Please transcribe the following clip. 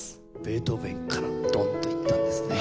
ベートーヴェンからドンといったんですね。